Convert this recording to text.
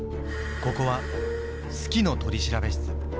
ここは「好きの取調室」。